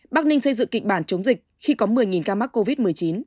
bắc ninh xây dựng kịch bản chống dịch khi có một mươi ca mắc covid một mươi chín